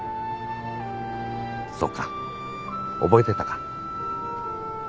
そうか覚えてたか。